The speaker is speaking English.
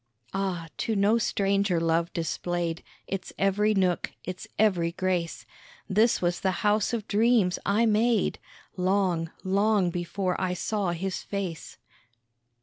Ah, to no stranger Love displayed Its every nook, its every grace, This was the House of Dreams I made Long, long before I saw his face.